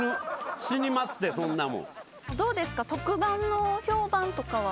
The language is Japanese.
どうですか？